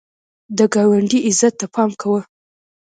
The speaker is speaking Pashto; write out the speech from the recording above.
د ګاونډي عزت ته پام کوه